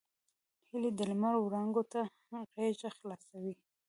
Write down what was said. هیلۍ د لمر وړانګو ته غېږه خلاصوي